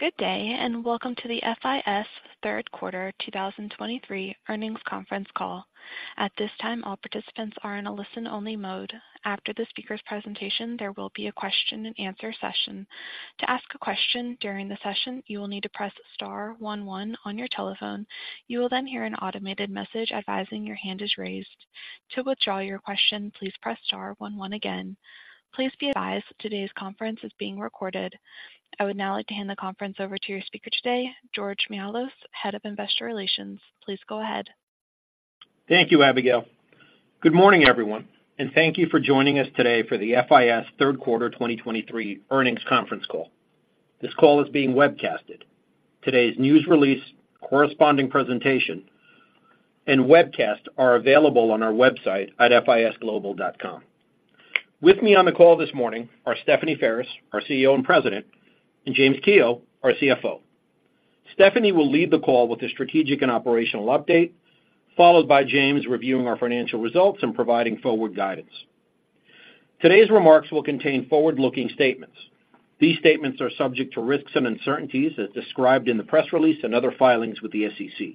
Good day, and welcome to the FIS Third Quarter 2023 Earnings Conference Call. At this time, all participants are in a listen-only mode. After the speaker's presentation, there will be a question-and-answer session. To ask a question during the session, you will need to press star one one on your telephone. You will then hear an automated message advising your hand is raised. To withdraw your question, please press star one one again. Please be advised today's conference is being recorded. I would now like to hand the conference over to your speaker today, George Mihalos, Head of Investor Relations. Please go ahead. Thank you, Abigail. Good morning, everyone, and thank you for joining us today for the FIS Third Quarter 2023 Earnings Conference Call. This call is being webcasted. Today's news release, corresponding presentation, and webcast are available on our website at fisglobal.com. With me on the call this morning are Stephanie Ferris, our CEO and President, and James Kehoe, our CFO. Stephanie will lead the call with a strategic and operational update, followed by James reviewing our financial results and providing forward guidance. Today's remarks will contain forward-looking statements. These statements are subject to risks and uncertainties as described in the press release and other filings with the SEC.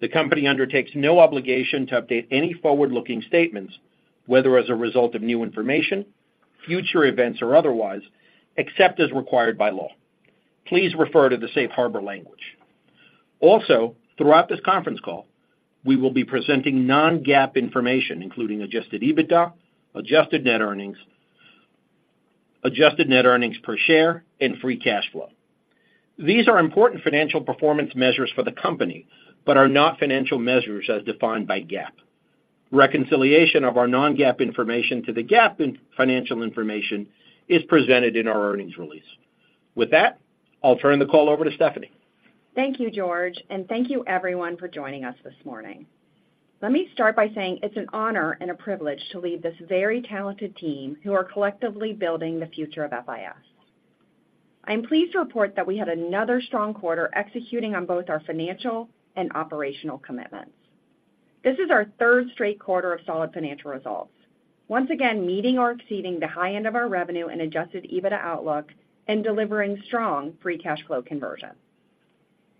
The company undertakes no obligation to update any forward-looking statements, whether as a result of new information, future events, or otherwise, except as required by law. Please refer to the safe harbor language. Also, throughout this conference call, we will be presenting non-GAAP information, including Adjusted EBITDA, adjusted net earnings, adjusted net earnings per share, and free cash flow. These are important financial performance measures for the company, but are not financial measures as defined by GAAP. Reconciliation of our non-GAAP information to the GAAP financial information is presented in our earnings release. With that, I'll turn the call over to Stephanie. Thank you, George, and thank you everyone for joining us this morning. Let me start by saying it's an honor and a privilege to lead this very talented team who are collectively building the future of FIS. I am pleased to report that we had another strong quarter executing on both our financial and operational commitments. This is our third straight quarter of solid financial results, once again, meeting or exceeding the high end of our revenue and Adjusted EBITDA outlook and delivering strong free cash flow conversion.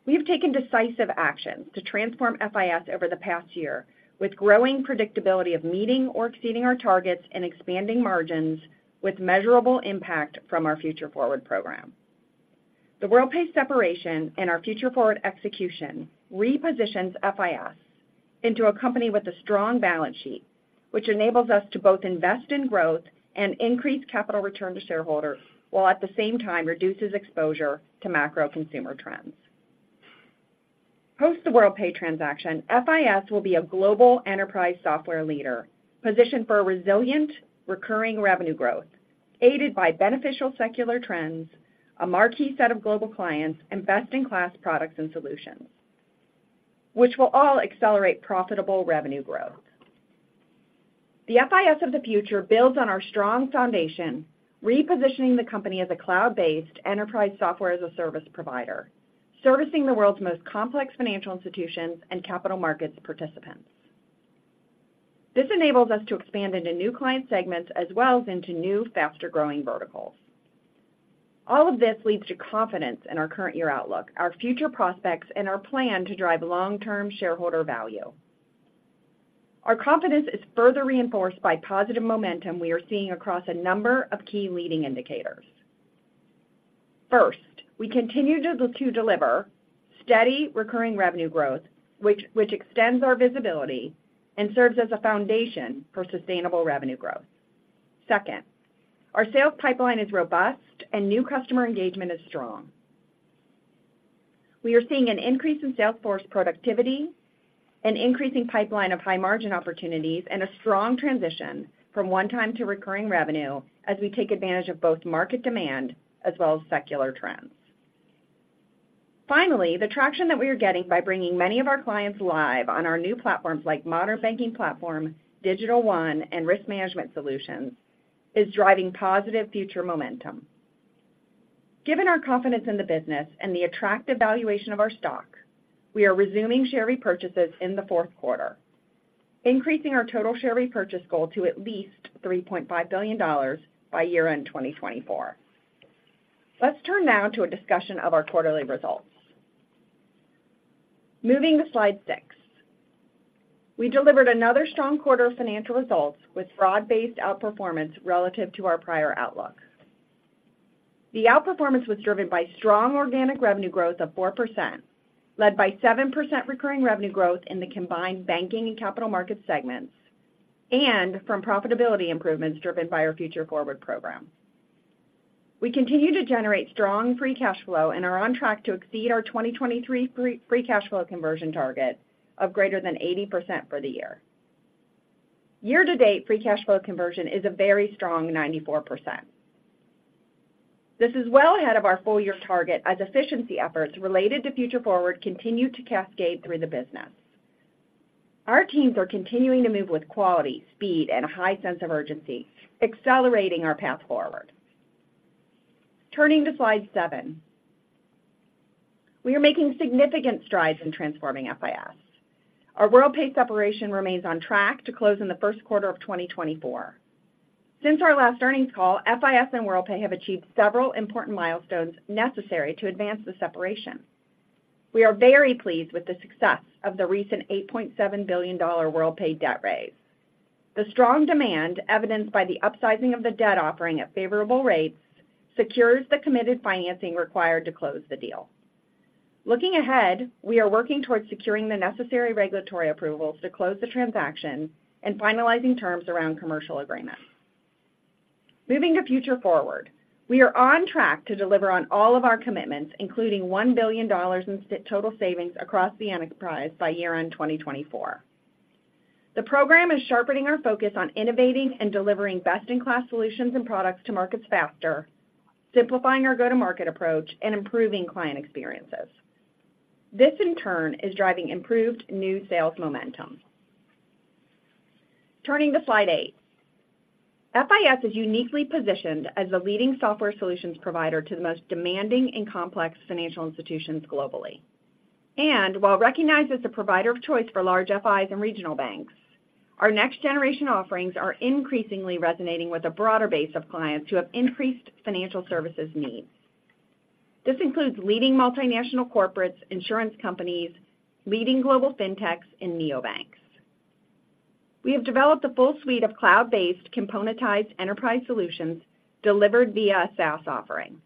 We have taken decisive actions to transform FIS over the past year, with growing predictability of meeting or exceeding our targets and expanding margins with measurable impact from our Future Forward program. The Worldpay separation and our Future Forward execution repositions FIS into a company with a strong balance sheet, which enables us to both invest in growth and increase capital return to shareholders, while at the same time reduces exposure to macro consumer trends. Post the Worldpay transaction, FIS will be a global enterprise software leader, positioned for a resilient, recurring revenue growth, aided by beneficial secular trends, a marquee set of global clients, and best-in-class products and solutions, which will all accelerate profitable revenue growth. The FIS of the future builds on our strong foundation, repositioning the company as a cloud-based enterprise software as a service provider, servicing the world's most complex financial institutions and capital markets participants. This enables us to expand into new client segments as well as into new, faster-growing verticals. All of this leads to confidence in our current year outlook, our future prospects, and our plan to drive long-term shareholder value. Our confidence is further reinforced by positive momentum we are seeing across a number of key leading indicators. First, we continue to deliver steady recurring revenue growth, which extends our visibility and serves as a foundation for sustainable revenue growth. Second, our sales pipeline is robust and new customer engagement is strong. We are seeing an increase in sales force productivity, an increasing pipeline of high-margin opportunities, and a strong transition from one time to recurring revenue as we take advantage of both market demand as well as secular trends. Finally, the traction that we are getting by bringing many of our clients live on our new platforms like Modern Banking Platform, Digital One, and Risk Management Solutions, is driving positive future momentum. Given our confidence in the business and the attractive valuation of our stock, we are resuming share repurchases in the fourth quarter, increasing our total share repurchase goal to at least $3.5 billion by year-end 2024. Let's turn now to a discussion of our quarterly results. Moving to slide six. We delivered another strong quarter of financial results with broad-based outperformance relative to our prior outlook. The outperformance was driven by strong organic revenue growth of 4%, led by 7% recurring revenue growth in the combined banking and capital market segments, and from profitability improvements driven by our Future Forward program. We continue to generate strong free cash flow and are on track to exceed our 2023 free cash flow conversion target of greater than 80% for the year. Year-to-date, free cash flow conversion is a very strong 94%. This is well ahead of our full-year target as efficiency efforts related to Future Forward continue to cascade through the business. Our teams are continuing to move with quality, speed, and a high sense of urgency, accelerating our path forward. Turning to slide seven. We are making significant strides in transforming FIS. Our Worldpay separation remains on track to close in the first quarter of 2024. Since our last earnings call, FIS and Worldpay have achieved several important milestones necessary to advance the separation. We are very pleased with the success of the recent $8.7 billion Worldpay debt raise. The strong demand, evidenced by the upsizing of the debt offering at favorable rates, secures the committed financing required to close the deal. Looking ahead, we are working towards securing the necessary regulatory approvals to close the transaction and finalizing terms around commercial agreements. Moving to Future Forward. We are on track to deliver on all of our commitments, including $1 billion in total savings across the enterprise by year-end 2024. The program is sharpening our focus on innovating and delivering best-in-class solutions and products to markets faster, simplifying our go-to-market approach, and improving client experiences. This, in turn, is driving improved new sales momentum. Turning to slide eight. FIS is uniquely positioned as the leading software solutions provider to the most demanding and complex financial institutions globally. And while recognized as a provider of choice for large FIs and regional banks, our next-generation offerings are increasingly resonating with a broader base of clients who have increased financial services needs. This includes leading multinational corporates, insurance companies, leading global fintechs, and neobanks. We have developed a full suite of cloud-based, componentized enterprise solutions delivered via a SaaS offering.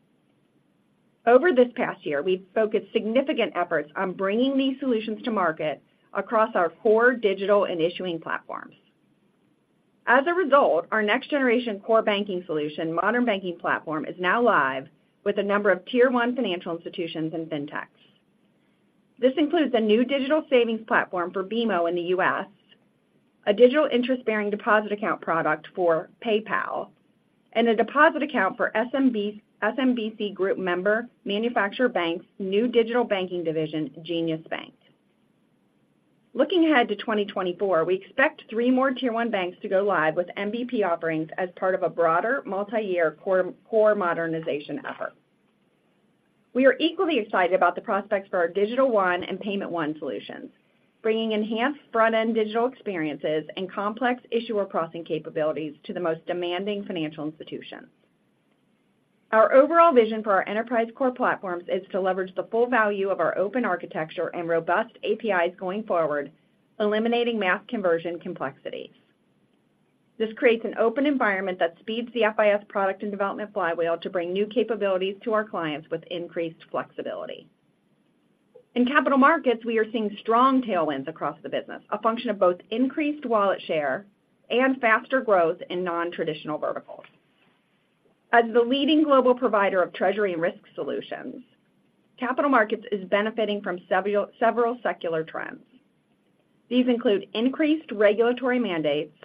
Over this past year, we've focused significant efforts on bringing these solutions to market across our core digital and issuing platforms. As a result, our next-generation core banking solution, Modern Banking Platform, is now live with a number of tier-one financial institutions and fintechs. This includes a new digital savings platform for BMO in the U.S., a digital interest-bearing deposit account product for PayPal, and a deposit account for SMBC group member Manufacturer Bank new digital banking division, Jenius Bank. Looking ahead to 2024, we expect three more tier-one banks to go live with MBP offerings as part of a broader multi-year core modernization effort. We are equally excited about the prospects for our Digital One and Payment One solutions, bringing enhanced front-end digital experiences and complex issuer processing capabilities to the most demanding financial institutions. Our overall vision for our enterprise core platforms is to leverage the full value of our open architecture and robust APIs going forward, eliminating mass conversion complexities. This creates an open environment that speeds the FIS product and development flywheel to bring new capabilities to our clients with increased flexibility. In capital markets, we are seeing strong tailwinds across the business, a function of both increased wallet share and faster growth in nontraditional verticals. As the leading global provider of treasury and risk solutions, Capital Markets is benefiting from several secular trends. These include increased regulatory mandates,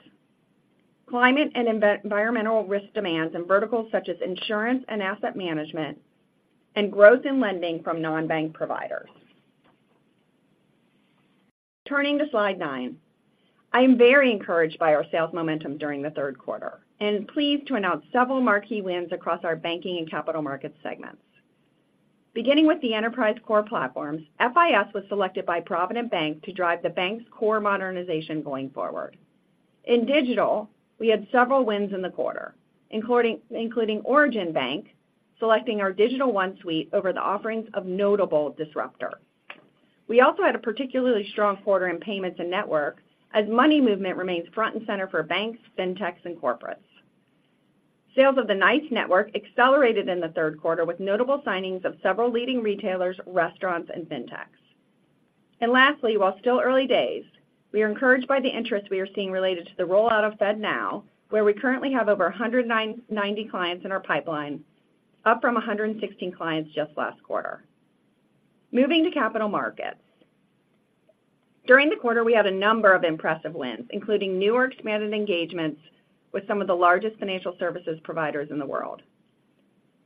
climate and environmental risk demands in verticals such as insurance and asset management, and growth in lending from non-bank providers. Turning to slide nine. I am very encouraged by our sales momentum during the third quarter and pleased to announce several marquee wins across our banking and capital markets segments. Beginning with the enterprise core platforms, FIS was selected by Provident Bank to drive the bank's core modernization going forward. In digital, we had several wins in the quarter, including Origin Bank selecting our Digital One suite over the offerings of notable disruptor. We also had a particularly strong quarter in payments and network as money movement remains front and center for banks, fintechs, and corporates. Sales of the NYCE network accelerated in the third quarter, with notable signings of several leading retailers, restaurants, and fintechs. Lastly, while still early days, we are encouraged by the interest we are seeing related to the rollout of FedNow, where we currently have over 190 clients in our pipeline, up from 116 clients just last quarter. Moving to capital markets. During the quarter, we had a number of impressive wins, including new or expanded engagements with some of the largest financial services providers in the world.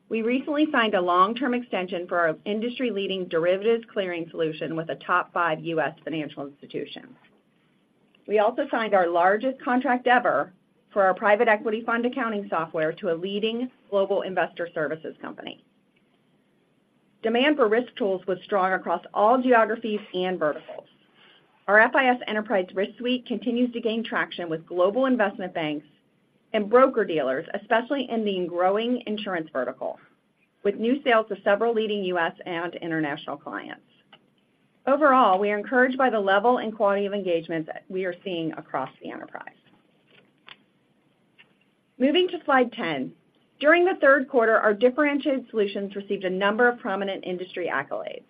We recently signed a long-term extension for our industry-leading derivatives clearing solution with a top five U.S. financial institution. We also signed our largest contract ever for our private equity fund accounting software to a leading global investor services company. Demand for risk tools was strong across all geographies and verticals. Our FIS Enterprise Risk Suite continues to gain traction with global investment banks and broker-dealers, especially in the growing insurance vertical, with new sales to several leading U.S. and international clients. Overall, we are encouraged by the level and quality of engagements that we are seeing across the enterprise. Moving to slide 10. During the third quarter, our differentiated solutions received a number of prominent industry accolades.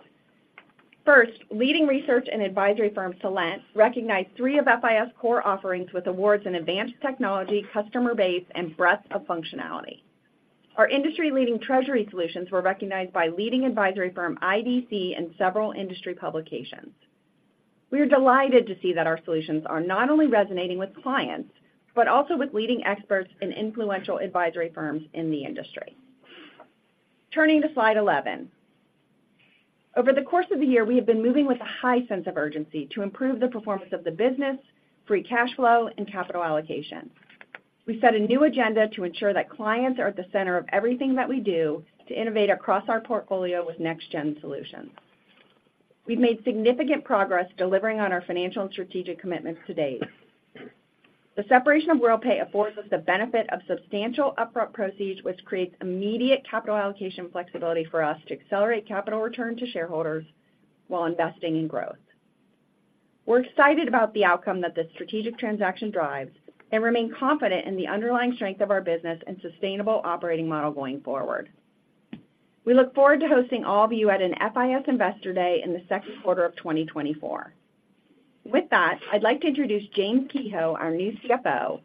First, leading research and advisory firm Celent recognized three of FIS' core offerings with awards in advanced technology, customer base, and breadth of functionality. Our industry-leading treasury solutions were recognized by leading advisory firm IDC and several industry publications. We are delighted to see that our solutions are not only resonating with clients, but also with leading experts and influential advisory firms in the industry. Turning to Slide 11. Over the course of the year, we have been moving with a high sense of urgency to improve the performance of the business, free cash flow, and capital allocation. We set a new agenda to ensure that clients are at the center of everything that we do to innovate across our portfolio with next-gen solutions. We've made significant progress delivering on our financial and strategic commitments to date. The separation of Worldpay affords us the benefit of substantial upfront proceeds, which creates immediate capital allocation flexibility for us to accelerate capital return to shareholders while investing in growth. We're excited about the outcome that this strategic transaction drives and remain confident in the underlying strength of our business and sustainable operating model going forward. We look forward to hosting all of you at an FIS Investor Day in the second quarter of 2024. With that, I'd like to introduce James Kehoe, our new CFO,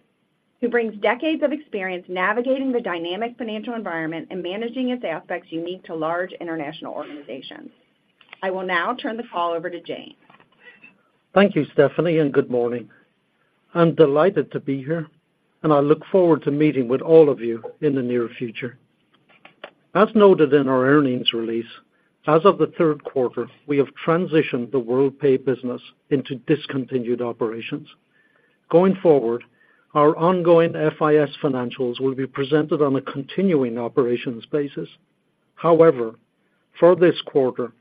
who brings decades of experience navigating the dynamic financial environment and managing its aspects unique to large international organizations. I will now turn the call over to James. Thank you, Stephanie, and good morning. I'm delighted to be here, and I look forward to meeting with all of you in the near future. As noted in our earnings release, as of the third quarter, we have transitioned the Worldpay business into discontinued operations. Going forward, our ongoing FIS financials will be presented on a continuing operations basis. However, for this quarter,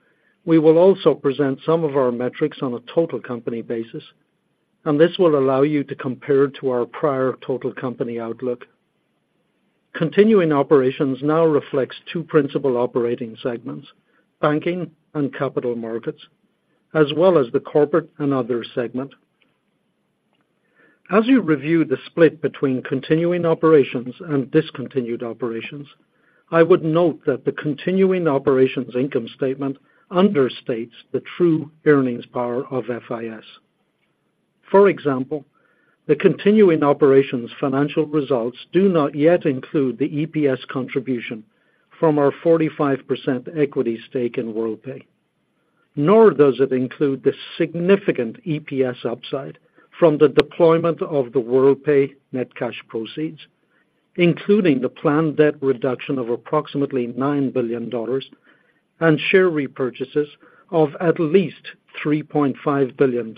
we will also present some of our metrics on a total company basis, and this will allow you to compare to our prior total company outlook. Continuing operations now reflects two principal operating segments, banking and capital markets, as well as the corporate and other segment. As you review the split between continuing operations and discontinued operations, I would note that the continuing operations income statement understates the true earnings power of FIS. For example, the continuing operations financial results do not yet include the EPS contribution from our 45% equity stake in Worldpay, nor does it include the significant EPS upside from the deployment of the Worldpay net cash proceeds, including the planned debt reduction of approximately $9 billion and share repurchases of at least $3.5 billion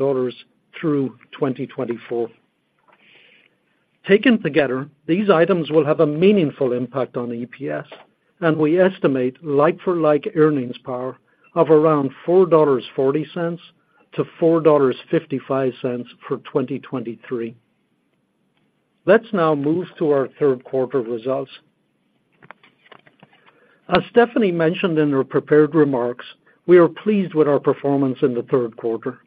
through 2024. Taken together, these items will have a meaningful impact on EPS, and we estimate like-for-like earnings power of around $4.40-$4.55 for 2023. Let's now move to our third quarter results. As Stephanie mentioned in her prepared remarks, we are pleased with our performance in the third quarter,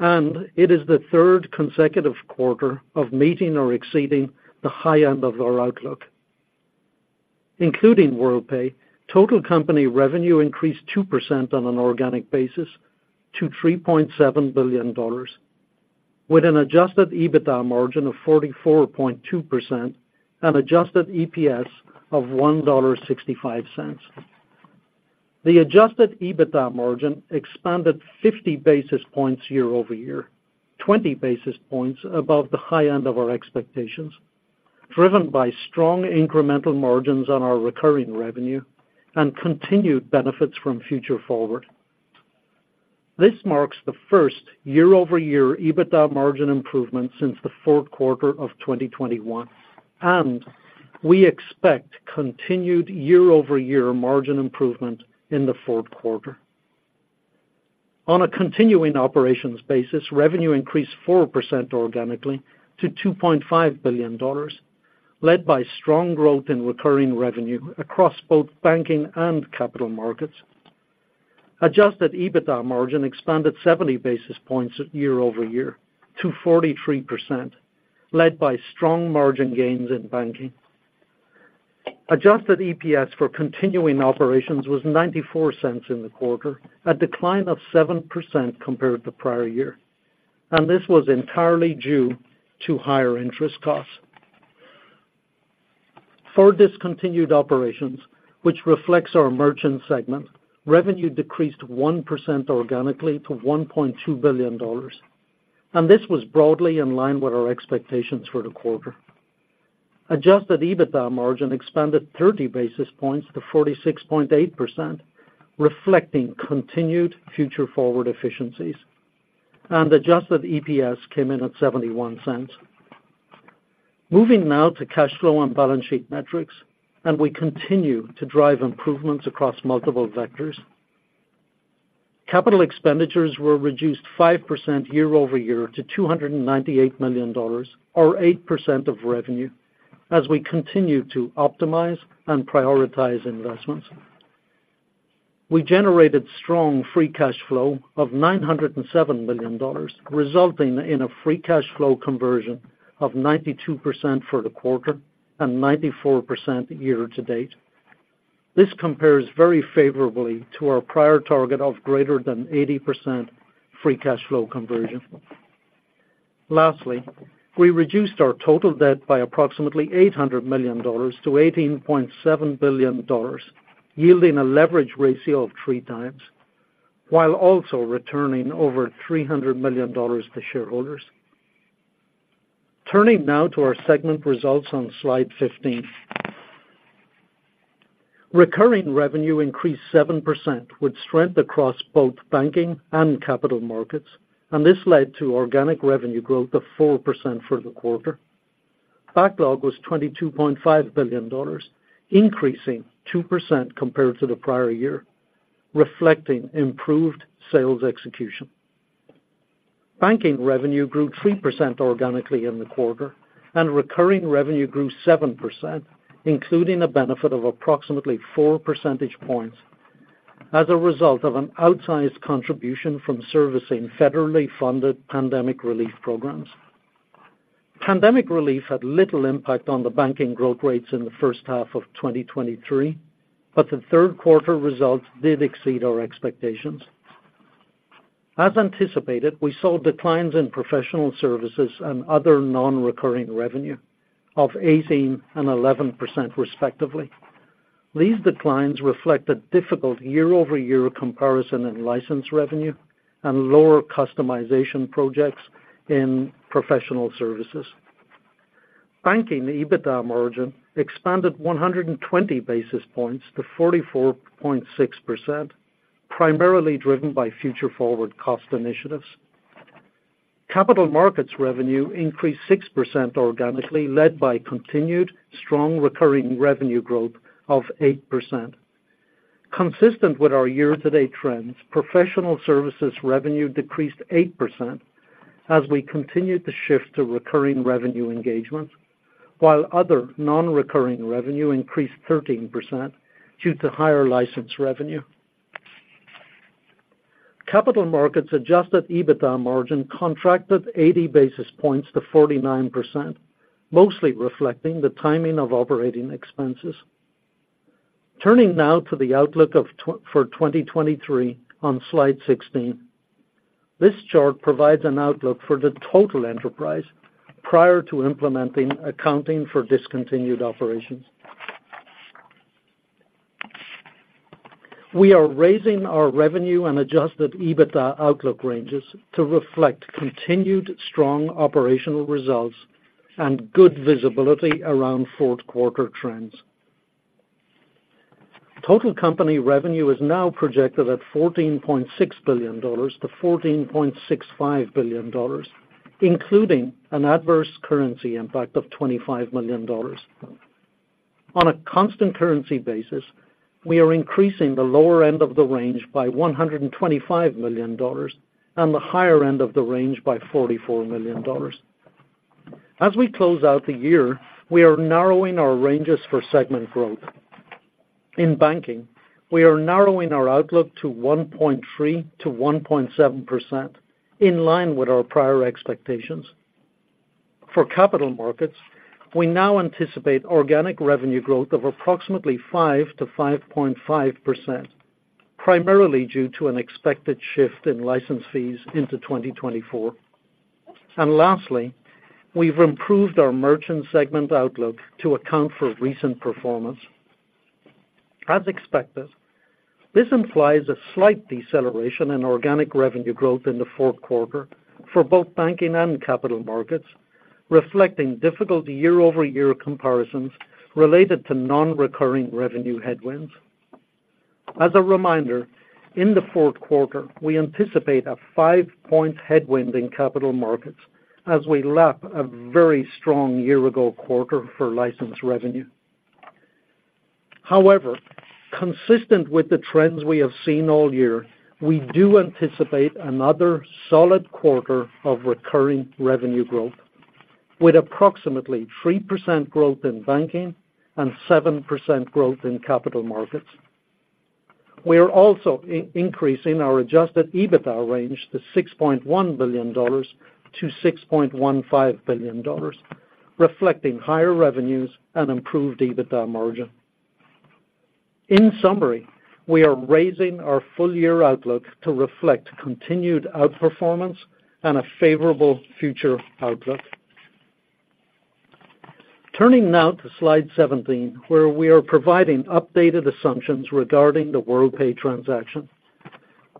and it is the third consecutive quarter of meeting or exceeding the high end of our outlook. Including Worldpay, total company revenue increased 2% on an organic basis to $3.7 billion, with an Adjusted EBITDA margin of 44.2% and adjusted EPS of $1.65. The Adjusted EBITDA margin expanded 50 basis points year-over-year, 20 basis points above the high end of our expectations, driven by strong incremental margins on our recurring revenue and continued benefits from Future Forward. This marks the first year-over-year EBITDA margin improvement since the fourth quarter of 2021, and we expect continued year-over-year margin improvement in the fourth quarter. On a continuing operations basis, revenue increased 4% organically to $2.5 billion, led by strong growth in recurring revenue across both banking and Capital Markets. Adjusted EBITDA margin expanded 70 basis points year-over-year to 43%, led by strong margin gains in banking. Adjusted EPS for continuing operations was $0.94 in the quarter, a decline of 7% compared to the prior year, and this was entirely due to higher interest costs. For discontinued operations, which reflects our merchant segment, revenue decreased 1% organically to $1.2 billion, and this was broadly in line with our expectations for the quarter. Adjusted EBITDA margin expanded 30 basis points to 46.8%, reflecting continued Future Forward efficiencies, and adjusted EPS came in at $0.71. Moving now to cash flow and balance sheet metrics, and we continue to drive improvements across multiple vectors. Capital expenditures were reduced 5% year-over-year to $298 million, or 8% of revenue, as we continue to optimize and prioritize investments. We generated strong free cash flow of $907 billion, resulting in a free cash flow conversion of 92% for the quarter and 94% year to date. This compares very favorably to our prior target of greater than 80% free cash flow conversion. Lastly, we reduced our total debt by approximately $800 million-$18.7 billion, yielding a leverage ratio of 3x, while also returning over $300 million to shareholders. Turning now to our segment results on slide 15.... Recurring revenue increased 7%, with strength across both banking and capital markets, and this led to organic revenue growth of 4% for the quarter. Backlog was $22.5 billion, increasing 2% compared to the prior year, reflecting improved sales execution. Banking revenue grew 3% organically in the quarter, and recurring revenue grew 7%, including a benefit of approximately four percentage points as a result of an outsized contribution from servicing federally funded pandemic relief programs. Pandemic relief had little impact on the banking growth rates in the first half of 2023, but the third quarter results did exceed our expectations. As anticipated, we saw declines in professional services and other non-recurring revenue of 18% and 11%, respectively. These declines reflect a difficult year-over-year comparison in license revenue and lower customization projects in professional services. Banking EBITDA margin expanded 100 basis points to 44.6%, primarily driven by Future Forward cost initiatives. Capital Markets revenue increased 6% organically, led by continued strong recurring revenue growth of 8%. Consistent with our year-to-date trends, professional services revenue decreased 8% as we continued to shift to recurring revenue engagements, while other non-recurring revenue increased 13% due to higher license revenue. Capital Markets Adjusted EBITDA margin contracted 80 basis points to 49%, mostly reflecting the timing of operating expenses. Turning now to the outlook for 2023 on slide 16. This chart provides an outlook for the total enterprise prior to implementing accounting for discontinued operations. We are raising our revenue and Adjusted EBITDA outlook ranges to reflect continued strong operational results and good visibility around fourth quarter trends. Total company revenue is now projected at $14.6 billion-$14.65 billion, including an adverse currency impact of $25 million. On a constant currency basis, we are increasing the lower end of the range by $125 million and the higher end of the range by $44 million. As we close out the year, we are narrowing our ranges for segment growth. In banking, we are narrowing our outlook to 1.3%-1.7%, in line with our prior expectations. For Capital Markets, we now anticipate organic revenue growth of approximately 5%-5.5%, primarily due to an expected shift in license fees into 2024. And lastly, we've improved our merchant segment outlook to account for recent performance. As expected, this implies a slight deceleration in organic revenue growth in the fourth quarter for both banking and capital markets, reflecting difficult year-over-year comparisons related to non-recurring revenue headwinds. As a reminder, in the fourth quarter, we anticipate a five point headwind in capital markets as we lap a very strong year-ago quarter for license revenue. However, consistent with the trends we have seen all year, we do anticipate another solid quarter of recurring revenue growth, with approximately 3% growth in banking and 7% growth in capital markets. We are also increasing our adjusted EBITDA range to $6.1 billion-$6.15 billion, reflecting higher revenues and improved EBITDA margin. In summary, we are raising our full year outlook to reflect continued outperformance and a favorable future outlook. Turning now to slide 17, where we are providing updated assumptions regarding the Worldpay transaction.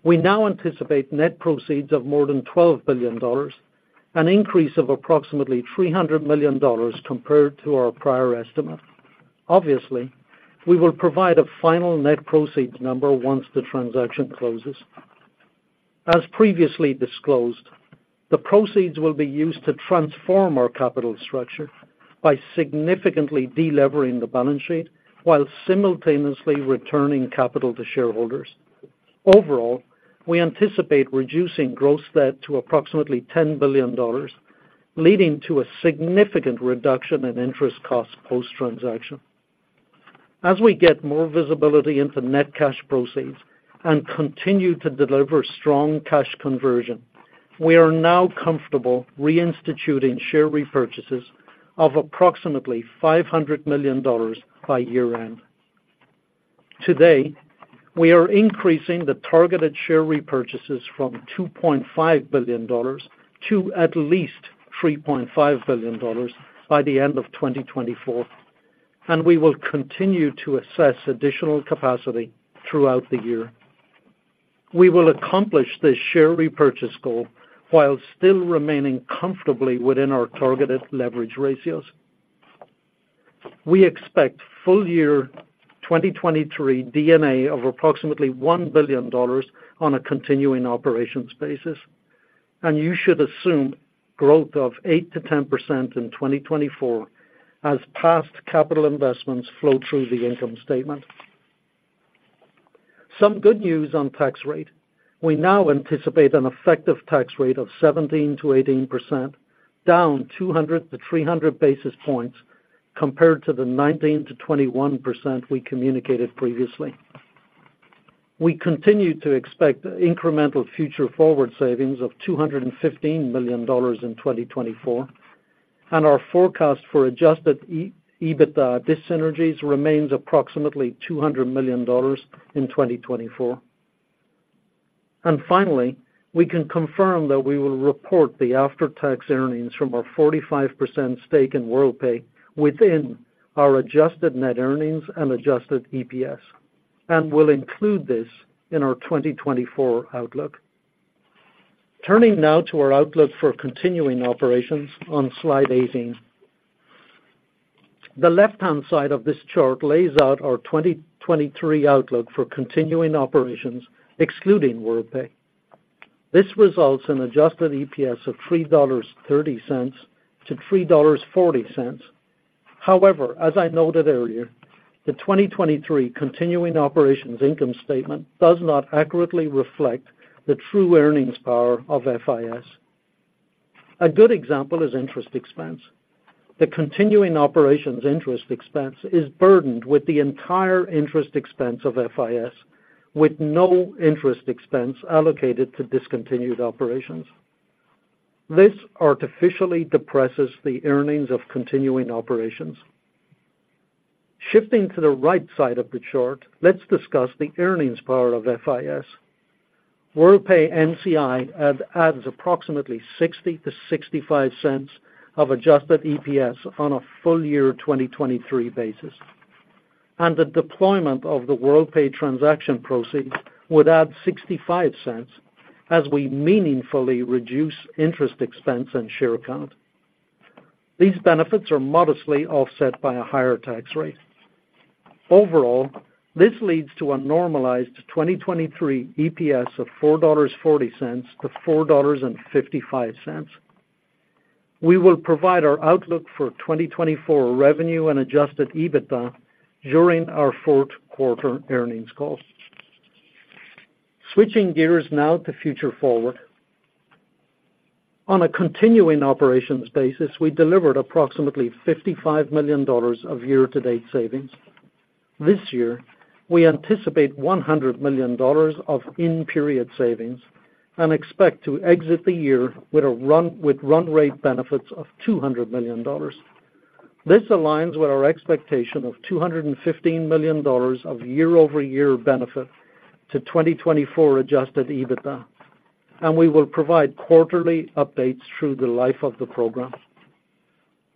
We now anticipate net proceeds of more than $12 billion, an increase of approximately $300 million compared to our prior estimate. Obviously, we will provide a final net proceeds number once the transaction closes. As previously disclosed, the proceeds will be used to transform our capital structure by significantly delevering the balance sheet while simultaneously returning capital to shareholders. Overall, we anticipate reducing gross debt to approximately $10 billion, leading to a significant reduction in interest costs post-transaction. As we get more visibility into net cash proceeds and continue to deliver strong cash conversion, we are now comfortable reinstituting share repurchases of approximately $500 million by year-end. Today, we are increasing the targeted share repurchases from $2.5 billion to at least $3.5 billion by the end of 2024, and we will continue to assess additional capacity throughout the year... We will accomplish this share repurchase goal while still remaining comfortably within our targeted leverage ratios. We expect full year 2023 D&A of approximately $1 billion on a continuing operations basis, and you should assume growth of 8%-10% in 2024 as past capital investments flow through the income statement. Some good news on tax rate. We now anticipate an effective tax rate of 17%-18%, down 200-300 basis points compared to the 19%-21% we communicated previously. We continue to expect incremental Future Forward savings of $215 million in 2024, and our forecast for Adjusted EBITDA dyssynergies remains approximately $200 million in 2024. And finally, we can confirm that we will report the after-tax earnings from our 45% stake in Worldpay within our adjusted net earnings and adjusted EPS, and we'll include this in our 2024 outlook. Turning now to our outlook for continuing operations on slide 18. The left-hand side of this chart lays out our 2023 outlook for continuing operations, excluding Worldpay. This results in adjusted EPS of $3.30-$3.40. However, as I noted earlier, the 2023 continuing operations income statement does not accurately reflect the true earnings power of FIS. A good example is interest expense. The continuing operations interest expense is burdened with the entire interest expense of FIS, with no interest expense allocated to discontinued operations. This artificially depresses the earnings of continuing operations. Shifting to the right side of the chart, let's discuss the earnings power of FIS. Worldpay NCI adds approximately $0.60-$0.65 of adjusted EPS on a full-year 2023 basis, and the deployment of the Worldpay transaction proceeds would add $0.65 as we meaningfully reduce interest expense and share count. These benefits are modestly offset by a higher tax rate. Overall, this leads to a normalized 2023 EPS of $4.40-$4.55. We will provide our outlook for 2024 revenue and Adjusted EBITDA during our fourth quarter earnings call. Switching gears now to Future Forward. On a continuing operations basis, we delivered approximately $55 million of year-to-date savings. This year, we anticipate $100 million of in-period savings and expect to exit the year with run-rate benefits of $200 million. This aligns with our expectation of $215 million of year-over-year benefit to 2024 Adjusted EBITDA, and we will provide quarterly updates through the life of the program.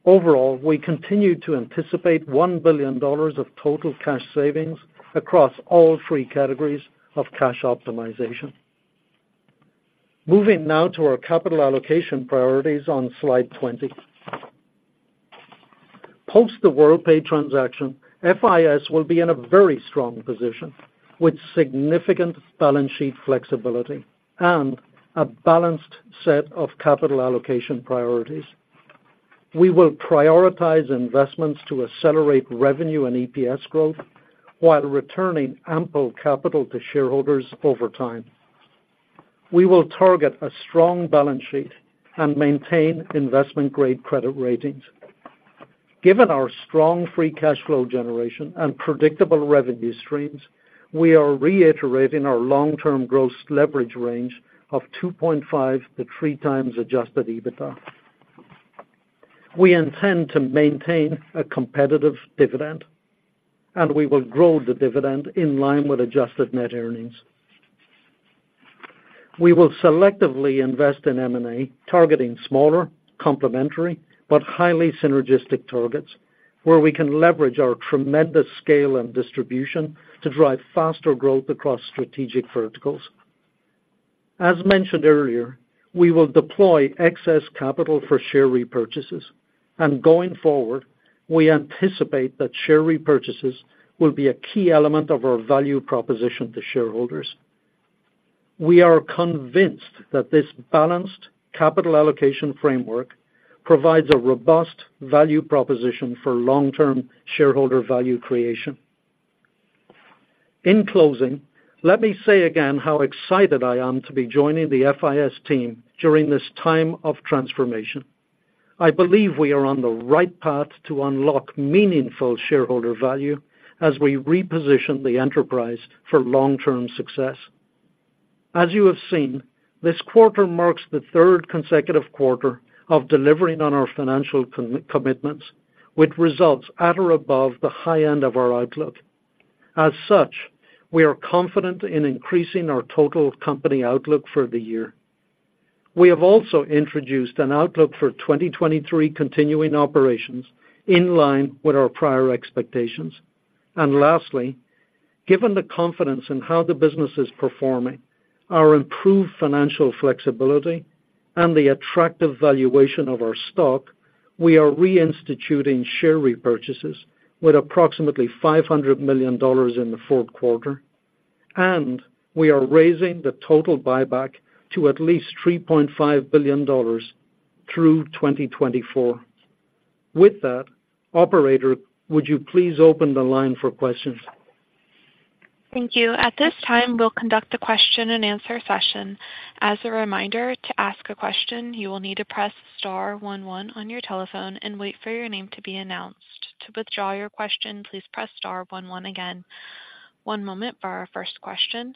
Overall, we continue to anticipate $1 billion of total cash savings across all three categories of cash optimization. Moving now to our capital allocation priorities on slide 20. Post the Worldpay transaction, FIS will be in a very strong position with significant balance sheet flexibility and a balanced set of capital allocation priorities. We will prioritize investments to accelerate revenue and EPS growth while returning ample capital to shareholders over time. We will target a strong balance sheet and maintain investment-grade credit ratings. Given our strong free cash flow generation and predictable revenue streams, we are reiterating our long-term gross leverage range of 2.5x-3x Adjusted EBITDA. We intend to maintain a competitive dividend, and we will grow the dividend in line with adjusted net earnings. We will selectively invest in M&A, targeting smaller, complementary, but highly synergistic targets, where we can leverage our tremendous scale and distribution to drive faster growth across strategic verticals. As mentioned earlier, we will deploy excess capital for share repurchases, and going forward, we anticipate that share repurchases will be a key element of our value proposition to shareholders. We are convinced that this balanced capital allocation framework provides a robust value proposition for long-term shareholder value creation. In closing, let me say again how excited I am to be joining the FIS team during this time of transformation. I believe we are on the right path to unlock meaningful shareholder value as we reposition the enterprise for long-term success. As you have seen, this quarter marks the third consecutive quarter of delivering on our financial commitments, with results at or above the high end of our outlook. As such, we are confident in increasing our total company outlook for the year. We have also introduced an outlook for 2023 continuing operations in line with our prior expectations. And lastly, given the confidence in how the business is performing, our improved financial flexibility and the attractive valuation of our stock, we are reinstituting share repurchases with approximately $500 million in the fourth quarter, and we are raising the total buyback to at least $3.5 billion through 2024. With that, operator, would you please open the line for questions? Thank you. At this time, we'll conduct a question-and-answer session. As a reminder, to ask a question, you will need to press star one one on your telephone and wait for your name to be announced. To withdraw your question, please press star one one again. One moment for our first question.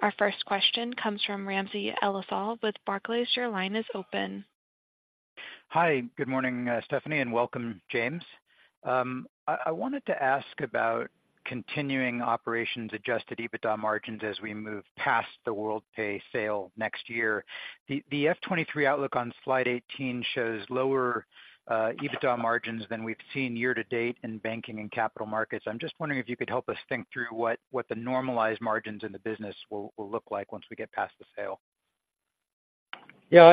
Our first question comes from Ramsey El-Assal with Barclays. Your line is open. Hi, good morning, Stephanie, and welcome, James. I wanted to ask about continuing operations, Adjusted EBITDA margins as we move past the Worldpay sale next year. The FY 2023 outlook on slide 18 shows lower EBITDA margins than we've seen year to date in banking and capital markets. I'm just wondering if you could help us think through what the normalized margins in the business will look like once we get past the sale. Yeah,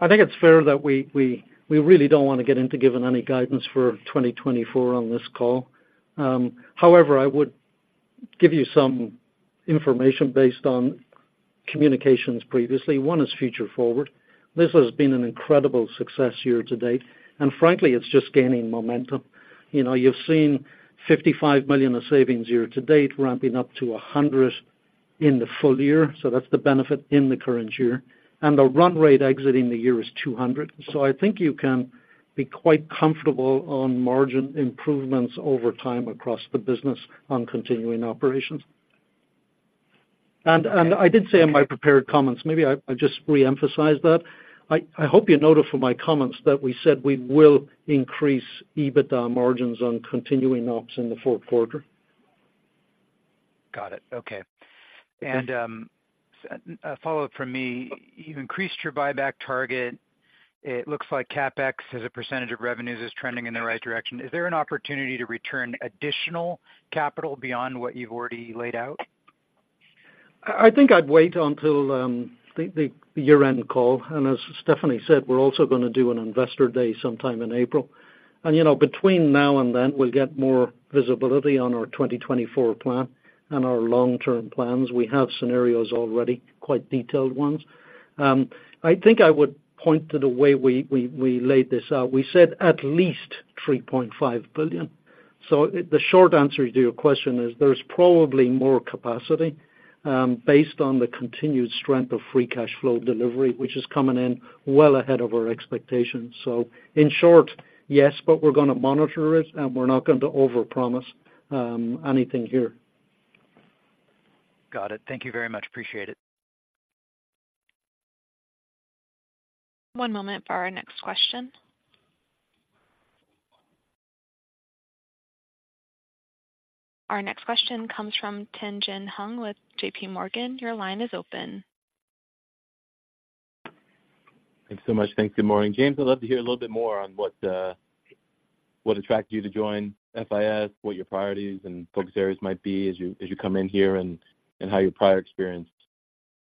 I think it's fair that we really don't want to get into giving any guidance for 2024 on this call. However, I would give you some information based on communications previously. One is Future Forward. This has been an incredible success year to date, and frankly, it's just gaining momentum. You know, you've seen $55 million of savings year to date, ramping up to $100 million in the full year. So that's the benefit in the current year. And the run rate exiting the year is $200 million. So I think you can be quite comfortable on margin improvements over time across the business on continuing operations. And I did say in my prepared comments, maybe I'll just reemphasize that. I hope you noted from my comments that we said we will increase EBITDA margins on continuing ops in the fourth quarter. Got it. Okay. And, a follow-up from me. You've increased your buyback target. It looks like CapEx, as a percentage of revenues, is trending in the right direction. Is there an opportunity to return additional capital beyond what you've already laid out? I think I'd wait until the year-end call. As Stephanie said, we're also going to do an investor day sometime in April. You know, between now and then, we'll get more visibility on our 2024 plan and our long-term plans. We have scenarios already, quite detailed ones. I think I would point to the way we laid this out. We said at least $3.5 billion. The short answer to your question is there's probably more capacity, based on the continued strength of free cash flow delivery, which is coming in well ahead of our expectations. In short, yes, but we're going to monitor it, and we're not going to overpromise anything here. Got it. Thank you very much. Appreciate it. One moment for our next question. Our next question comes from Tien-Tsin Huang with J.P. Morgan. Your line is open. Thanks so much. Thanks. Good morning. James, I'd love to hear a little bit more on what, what attracted you to join FIS, what your priorities and focus areas might be as you, as you come in here, and, and how your prior experience,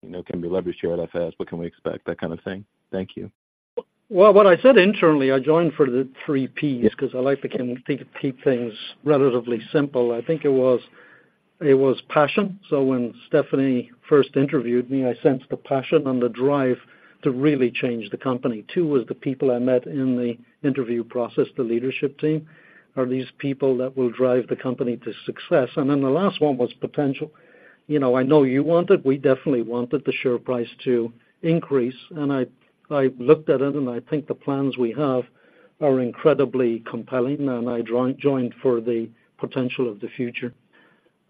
you know, can be leveraged here at FIS. What can we expect? That kind of thing. Thank you. Well, what I said internally, I joined for the three Ps because I like to keep things relatively simple. I think it was passion. So when Stephanie first interviewed me, I sensed the passion and the drive to really change the company. Two was the people I met in the interview process, the leadership team, are these people that will drive the company to success. And then the last one was potential. You know, I know you want it. We definitely wanted the share price to increase, and I looked at it, and I think the plans we have are incredibly compelling, and I joined for the potential of the future.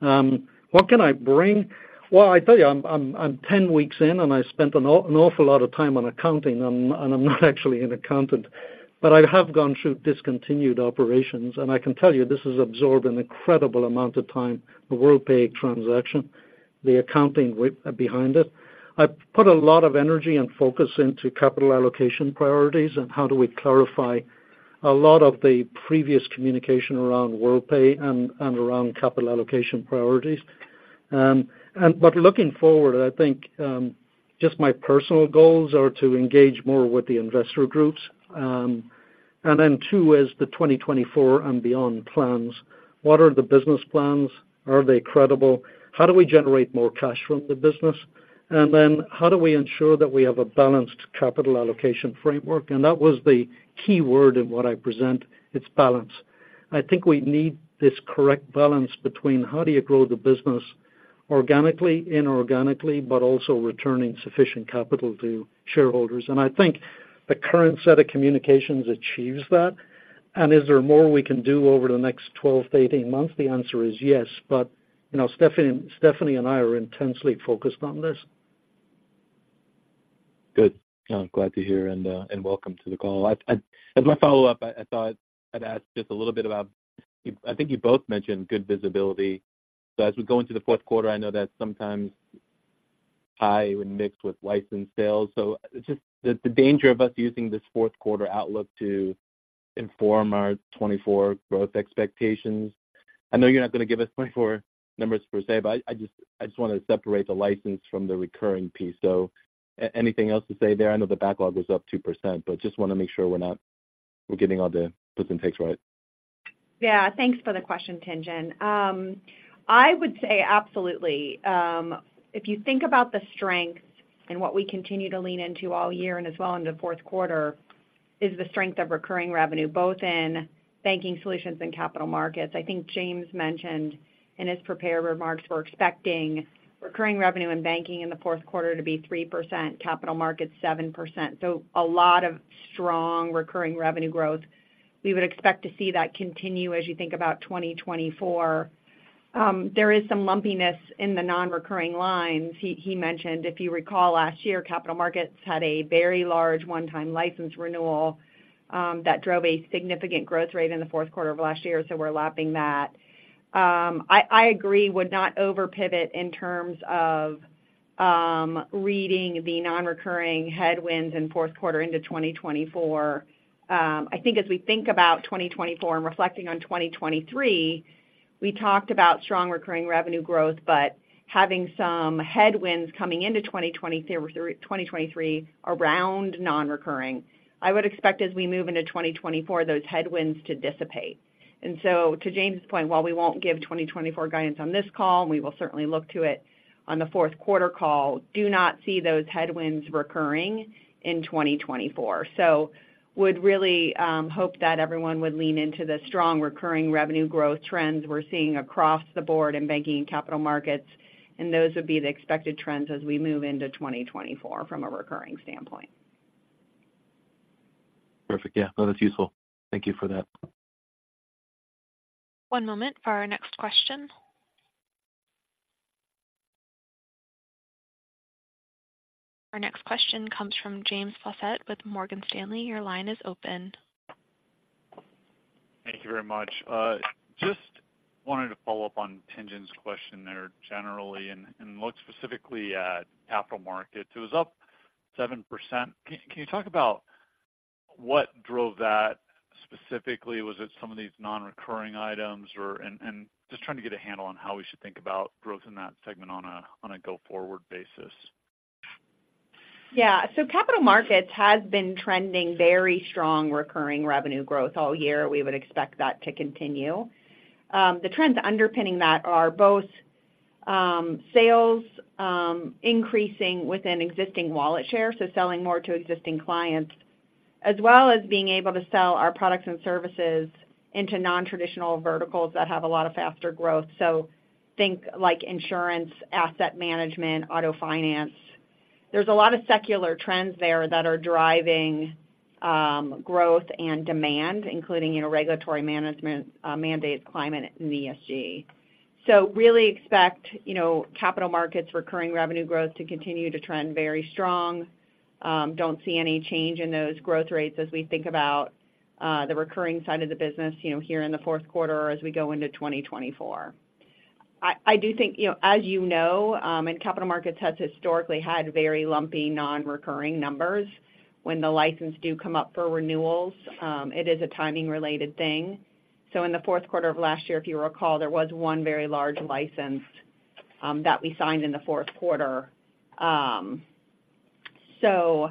What can I bring? Well, I tell you, I'm 10 weeks in, and I spent an awful lot of time on accounting, and I'm not actually an accountant. But I have gone through discontinued operations, and I can tell you this has absorbed an incredible amount of time, the Worldpay transaction, the accounting behind it. I've put a lot of energy and focus into capital allocation priorities and how do we clarify a lot of the previous communication around Worldpay and around capital allocation priorities. But looking forward, I think just my personal goals are to engage more with the investor groups. And then too is the 2024 and beyond plans. What are the business plans? Are they credible? How do we generate more cash from the business? And then how do we ensure that we have a balanced capital allocation framework? That was the key word in what I present. It's balance. I think we need this correct balance between how do you grow the business organically and inorganically, but also returning sufficient capital to shareholders. I think the current set of communications achieves that. Is there more we can do over the next 12-18 months? The answer is yes. But you know, Stephanie, Stephanie and I are intensely focused on this.... Good. Glad to hear and welcome to the call. As my follow-up, I thought I'd ask just a little bit about you, I think you both mentioned good visibility. So as we go into the fourth quarter, I know that's sometimes high when mixed with licensed sales. So just the danger of us using this fourth quarter outlook to inform our 2024 growth expectations. I know you're not going to give us 2024 numbers per se, but I just want to separate the license from the recurring piece. So anything else to say there? I know the backlog was up 2%, but just want to make sure we're getting all the puts and takes right. Yeah, thanks for the question, Tien-Tsin. I would say absolutely. If you think about the strengths and what we continue to lean into all year and as well in the fourth quarter, is the strength of recurring revenue, both in banking solutions and capital markets. I think James mentioned in his prepared remarks, we're expecting recurring revenue in banking in the fourth quarter to be 3%, capital markets, 7%. So a lot of strong recurring revenue growth. We would expect to see that continue as you think about 2024. There is some lumpiness in the nonrecurring lines. He mentioned, if you recall, last year, capital markets had a very large one-time license renewal, that drove a significant growth rate in the fourth quarter of last year, so we're lapping that. I agree would not over-pivot in terms of reading the nonrecurring headwinds in fourth quarter into 2024. I think as we think about 2024 and reflecting on 2023, we talked about strong recurring revenue growth, but having some headwinds coming into 2023 around nonrecurring. I would expect as we move into 2024, those headwinds to dissipate. And so to James' point, while we won't give 2024 guidance on this call, we will certainly look to it on the fourth quarter call. Do not see those headwinds recurring in 2024. So would really hope that everyone would lean into the strong recurring revenue growth trends we're seeing across the board in banking and capital markets, and those would be the expected trends as we move into 2024 from a recurring standpoint. Perfect. Yeah, that is useful. Thank you for that. One moment for our next question. Our next question comes from James Faucette with Morgan Stanley. Your line is open. Thank you very much. Just wanted to follow up on Tien-Tsin's question there generally and look specifically at capital markets. It was up 7%. Can you talk about what drove that specifically? Was it some of these nonrecurring items or... And just trying to get a handle on how we should think about growth in that segment on a go-forward basis. Yeah. So Capital Markets has been trending very strong recurring revenue growth all year. We would expect that to continue. The trends underpinning that are both sales increasing within existing wallet share, so selling more to existing clients, as well as being able to sell our products and services into nontraditional verticals that have a lot of faster growth. So think like insurance, asset management, auto finance. There's a lot of secular trends there that are driving growth and demand, including, you know, regulatory management mandates, climate and ESG. So really expect, you know, Capital Markets recurring revenue growth to continue to trend very strong. Don't see any change in those growth rates as we think about the recurring side of the business, you know, here in the fourth quarter or as we go into 2024. I, I do think, you know, as you know, and Capital Markets has historically had very lumpy, nonrecurring numbers. When the license do come up for renewals, it is a timing-related thing. So in the fourth quarter of last year, if you recall, there was one very large license, that we signed in the fourth quarter. So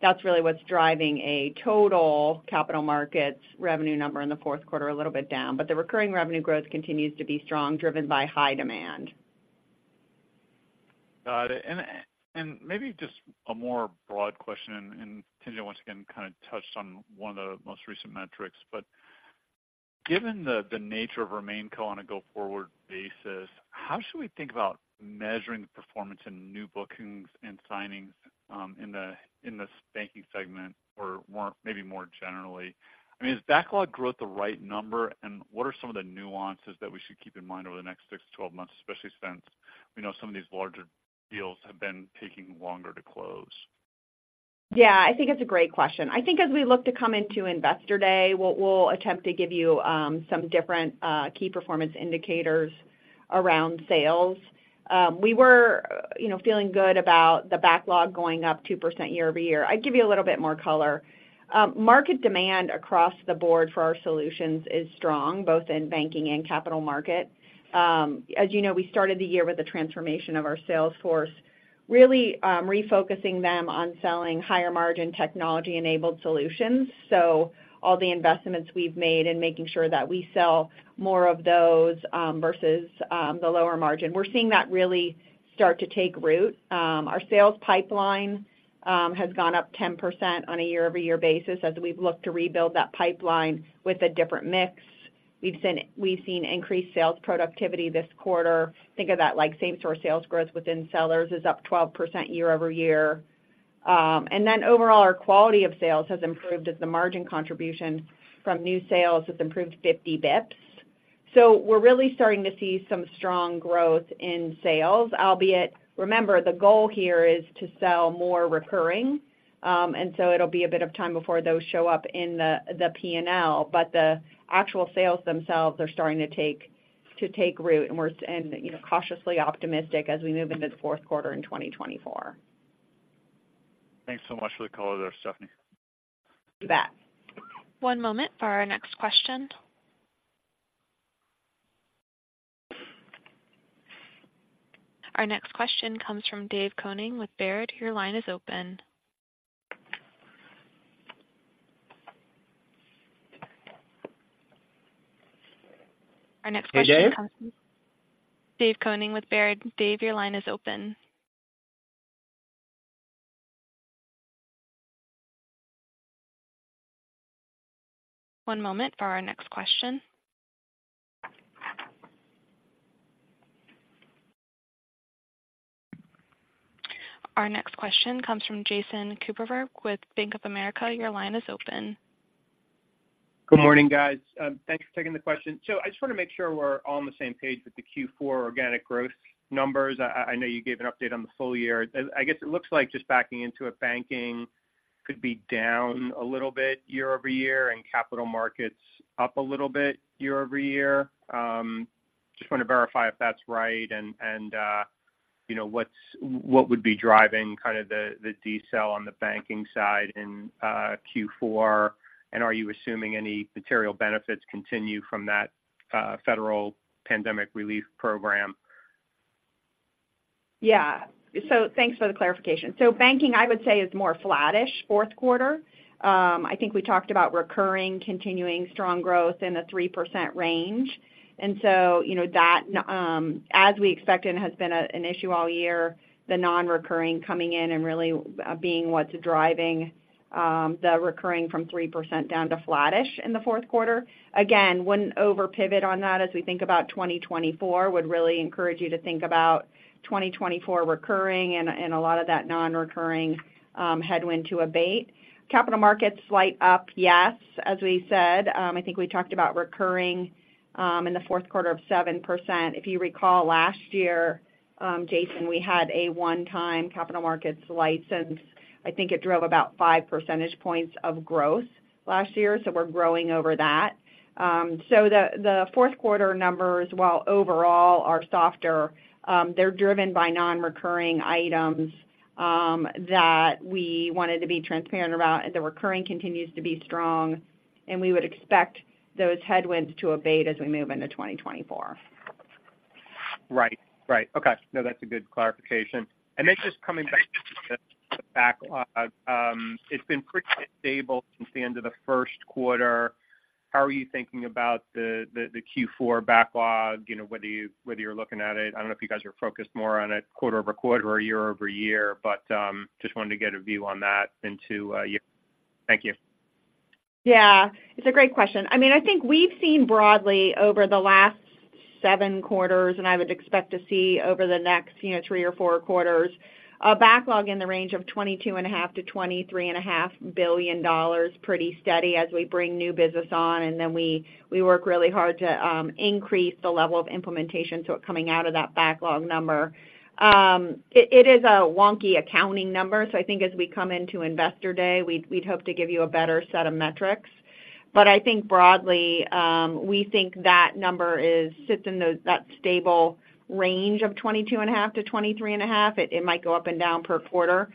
that's really what's driving a total capital markets revenue number in the fourth quarter, a little bit down, but the recurring revenue growth continues to be strong, driven by high demand. Got it. And, and maybe just a more broad question, and Tien-Tsin, once again, kind of touched on one of the most recent metrics, but given the, the nature of our main core on a go-forward basis, how should we think about measuring the performance in new bookings and signings, in the, in the banking segment or more, maybe more generally? I mean, is backlog growth the right number, and what are some of the nuances that we should keep in mind over the next 6-12 months, especially since we know some of these larger deals have been taking longer to close? Yeah, I think it's a great question. I think as we look to come into Investor Day, we'll attempt to give you some different key performance indicators around sales. We were, you know, feeling good about the backlog going up 2% year-over-year. I'd give you a little bit more color. Market demand across the board for our solutions is strong, both in banking and capital market. As you know, we started the year with the transformation of our sales force, really refocusing them on selling higher margin technology-enabled solutions. So all the investments we've made in making sure that we sell more of those versus the lower margin. We're seeing that really start to take root. Our sales pipeline has gone up 10% on a year-over-year basis as we've looked to rebuild that pipeline with a different mix. We've seen increased sales productivity this quarter. Think of that like same store sales growth within sellers is up 12% year-over-year. And then overall, our quality of sales has improved as the margin contribution from new sales has improved 50 basis points. So we're really starting to see some strong growth in sales, albeit, remember, the goal here is to sell more recurring. And so it'll be a bit of time before those show up in the P&L. But the actual sales themselves are starting to take root, and we're, you know, cautiously optimistic as we move into the fourth quarter in 2024. Thanks so much for the call there, Stephanie. You bet. One moment for our next question. Our next question comes from Dave Koning with Baird. Your line is open. Our next question- Hey, Dave. Dave Koning with Baird. Dave, your line is open. One moment for our next question. Our next question comes from Jason Kupferberg with Bank of America. Your line is open. Good morning, guys. Thanks for taking the question. So I just want to make sure we're all on the same page with the Q4 organic growth numbers. I know you gave an update on the full year. I guess it looks like just backing into it, banking could be down a little bit year-over-year, and capital markets up a little bit year-over-year. Just want to verify if that's right and, you know, what would be driving kind of the decel on the banking side in Q4, and are you assuming any material benefits continue from that federal pandemic relief program? Yeah. So thanks for the clarification. So banking, I would say, is more flattish fourth quarter. I think we talked about recurring, continuing strong growth in the 3% range. And so, you know, that, as we expected, has been a- an issue all year, the nonrecurring coming in and really, being what's driving, the recurring from 3% down to flattish in the fourth quarter. Again, wouldn't over pivot on that as we think about 2024, would really encourage you to think about 2024 recurring and a, and a lot of that nonrecurring, headwind to abate. Capital markets, slight up, yes, as we said. I think we talked about recurring, in the fourth quarter of 7%. If you recall last year, Jason, we had a one-time capital markets license. I think it drove about five percentage points of growth last year, so we're growing over that. So the fourth quarter numbers, while overall are softer, they're driven by nonrecurring items that we wanted to be transparent about, and the recurring continues to be strong, and we would expect those headwinds to abate as we move into 2024. Right. Right. Okay. No, that's a good clarification. And then just coming back to the backlog, it's been pretty stable since the end of the first quarter. How are you thinking about the Q4 backlog? You know, whether you, whether you're looking at it... I don't know if you guys are focused more on it quarter-over-quarter or year-over-year, but just wanted to get a view on that into year. Thank you. Yeah, it's a great question. I mean, I think we've seen broadly over the last seven quarters, and I would expect to see over the next, you know, three or four quarters, a backlog in the range of $22.5 billion-$23.5 billion, pretty steady as we bring new business on, and then we, we work really hard to increase the level of implementation, so coming out of that backlog number. It is a wonky accounting number, so I think as we come into Investor Day, we'd, we'd hope to give you a better set of metrics. But I think broadly, we think that number sits in that stable range of $22.5 billion-$23.5 billion. It might go up and down per quarter.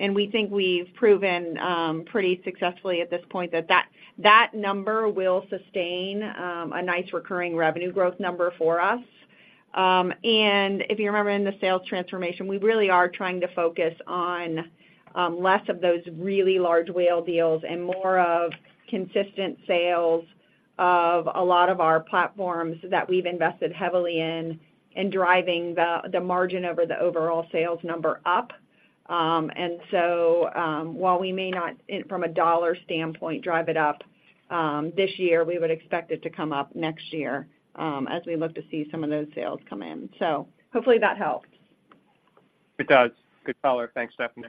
And we think we've proven pretty successfully at this point that number will sustain a nice recurring revenue growth number for us. And if you remember in the sales transformation, we really are trying to focus on less of those really large whale deals and more of consistent sales of a lot of our platforms that we've invested heavily in driving the margin over the overall sales number up. And so, while we may not, from a dollar standpoint, drive it up this year, we would expect it to come up next year as we look to see some of those sales come in. So hopefully that helps. It does. Good color. Thanks, Stephanie.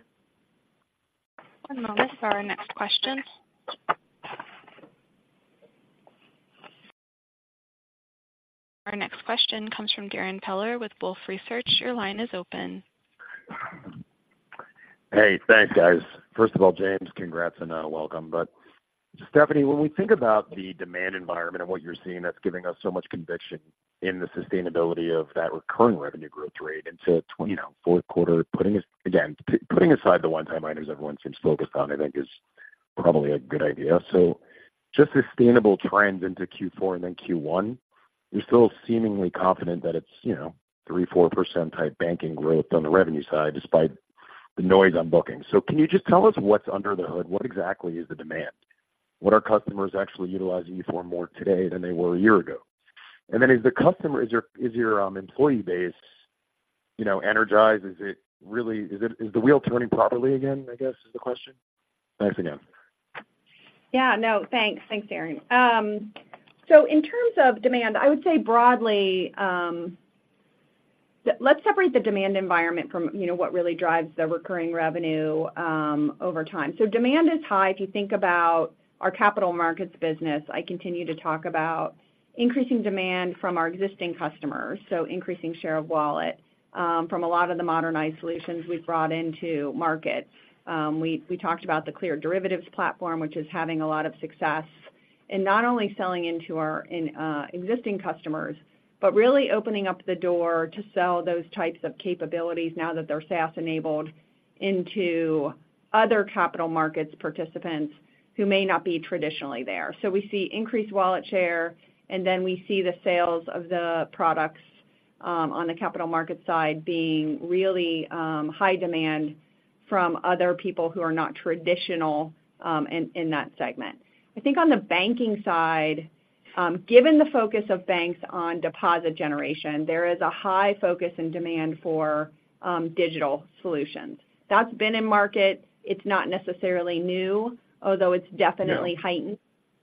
One moment for our next question. Our next question comes from Darrin Peller with Wolfe Research. Your line is open. Hey, thanks, guys. First of all, James, congrats and welcome. But Stephanie, when we think about the demand environment and what you're seeing, that's giving us so much conviction in the sustainability of that recurring revenue growth rate into you know fourth quarter, putting aside again putting aside the one-time items everyone seems focused on, I think is probably a good idea. So just sustainable trends into Q4 and then Q1, you're still seemingly confident that it's, you know, 3%-4% type banking growth on the revenue side, despite the noise on bookings. So can you just tell us what's under the hood? What exactly is the demand? What are customers actually utilizing you for more today than they were a year ago? And then is the customer base your employee base, you know, energized? Is it really... Is the wheel turning properly again, I guess, is the question? Thanks again. Yeah. No, thanks. Thanks, Darrin. So in terms of demand, I would say broadly, let's separate the demand environment from, you know, what really drives the recurring revenue, over time. So demand is high. If you think about our capital markets business, I continue to talk about increasing demand from our existing customers, so increasing share of wallet, from a lot of the modernized solutions we've brought into market. We, we talked about the Cleared Derivatives platform, which is having a lot of success in not only selling into our, in, existing customers, but really opening up the door to sell those types of capabilities now that they're SaaS enabled into other capital markets participants who may not be traditionally there. So we see increased wallet share, and then we see the sales of the products on the capital market side being really high demand from other people who are not traditional in that segment. I think on the banking side, given the focus of banks on deposit generation, there is a high focus and demand for digital solutions. That's been in market. It's not necessarily new, although it's definitely heightened.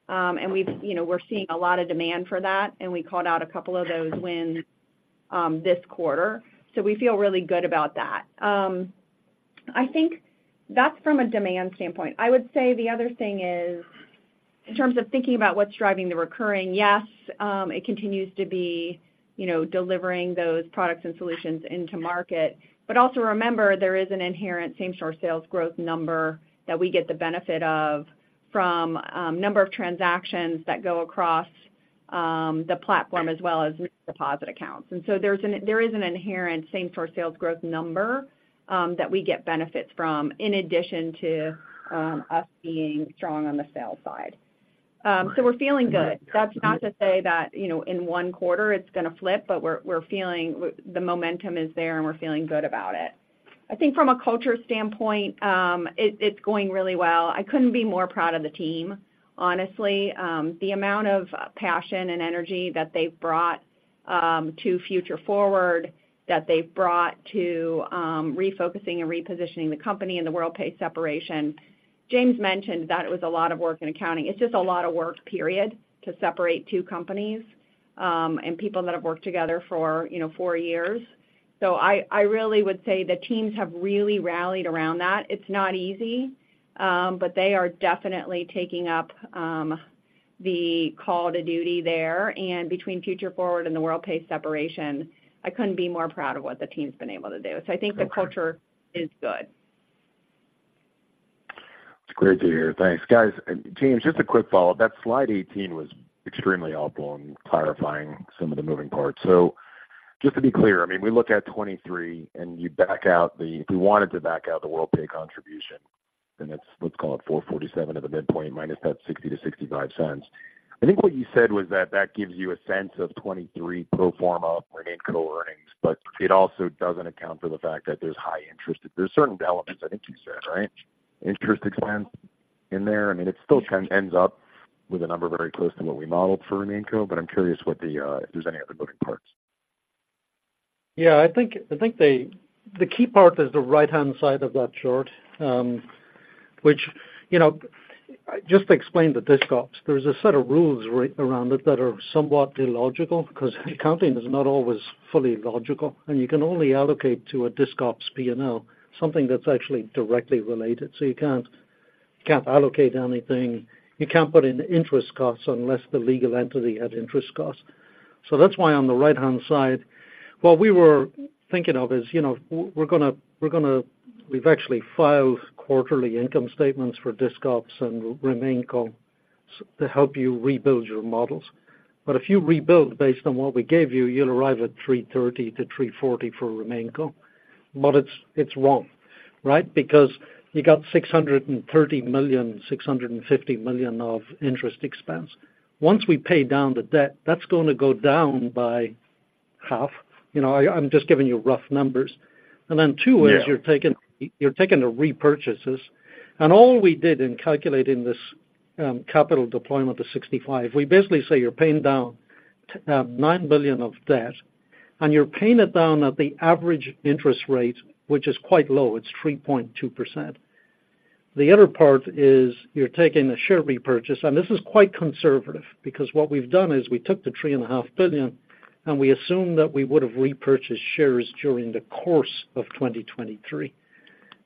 And we've, you know, we're seeing a lot of demand for that, and we called out a couple of those wins this quarter. So we feel really good about that. I think that's from a demand standpoint. I would say the other thing is, in terms of thinking about what's driving the recurring, yes, it continues to be, you know, delivering those products and solutions into market. But also remember, there is an inherent same-store sales growth number that we get the benefit of from number of transactions that go across the platform, as well as deposit accounts. And so there's an- there is an inherent same-store sales growth number that we get benefits from, in addition to us being strong on the sales side. So we're feeling good. That's not to say that, you know, in one quarter it's gonna flip, but we're feeling the momentum is there, and we're feeling good about it. I think from a culture standpoint, it's going really well. I couldn't be more proud of the team, honestly. The amount of passion and energy that they've brought to Future Forward, that they've brought to refocusing and repositioning the company and the Worldpay separation. James mentioned that it was a lot of work in accounting. It's just a lot of work, period, to separate two companies, and people that have worked together for, you know, four years. So I really would say the teams have really rallied around that. It's not easy, but they are definitely taking up the call to duty there. And between Future Forward and the Worldpay separation, I couldn't be more proud of what the team's been able to do. So I think the culture is good. It's great to hear. Thanks, guys. And James, just a quick follow-up. That slide 18 was extremely helpful in clarifying some of the moving parts. So just to be clear, I mean, we look at 2023 and you back out the if we wanted to back out the Worldpay contribution, then that's, let's call it $4.47 at the midpoint, minus that $0.60-$0.65. I think what you said was that that gives you a sense of 2023 pro forma RemainCo earnings, but it also doesn't account for the fact that there's high interest. There's certain elements, I think you said, right? Interest expense in there. I mean, it still ends up with a number very close to what we modeled for RemainCo, but I'm curious what the, if there's any other moving parts. Yeah, I think, I think the, the key part is the right-hand side of that chart. Which, you know, just to explain the Disc Ops, there's a set of rules around it that are somewhat illogical because accounting is not always fully logical, and you can only allocate to a Disc Ops P&L, something that's actually directly related. So you can't, you can't allocate anything. You can't put in interest costs unless the legal entity has interest costs. So that's why on the right-hand side, what we were thinking of is, you know, we're gonna, we've actually filed quarterly income statements for Disc Ops and RemainCo to help you rebuild your models. But if you rebuild based on what we gave you, you'll arrive at $330-$340 for RemainCo. But it's, it's wrong, right? Because you got $630 million-$650 million of interest expense. Once we pay down the debt, that's going to go down by half. You know, I, I'm just giving you rough numbers. And then two ways- Yeah. You're taking, you're taking the repurchases. All we did in calculating this capital deployment to 65, we basically say you're paying down $9 billion of debt, and you're paying it down at the average interest rate, which is quite low. It's 3.2%. The other part is you're taking a share repurchase, and this is quite conservative because what we've done is we took the $3.5 billion, and we assumed that we would have repurchased shares during the course of 2023.